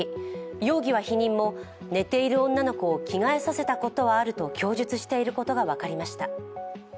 容疑は否認も、寝ている女の子を着替えさせたことはあると供述していることが分かりました。